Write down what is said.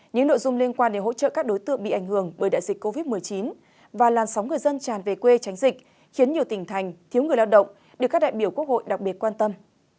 những nội dung liên quan đến hỗ trợ các đối tượng bị ảnh hưởng bởi đại dịch covid một mươi chín và làn sóng người dân tràn về quê tránh dịch khiến nhiều tỉnh thành thiếu người lao động được các đại biểu quốc hội đặc biệt quan tâm